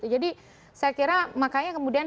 jadi saya kira makanya kemudian